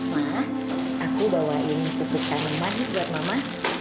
mak aku bawa ini pupuk tanaman manis buat mama